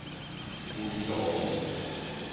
圍爐